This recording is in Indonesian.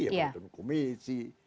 ya peraturan komisi